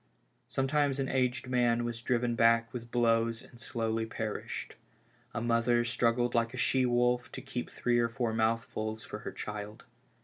Sometimes an aged man was driven back with blows and slowly perished; a mother struggled like a she wolf to keep three or four mouthfuls for her child.